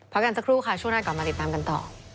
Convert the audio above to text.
กันสักครู่ค่ะช่วงหน้ากลับมาติดตามกันต่อ